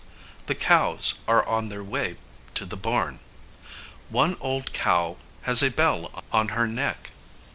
The cows are on their way to the barn. One old cow has a bell on her neck.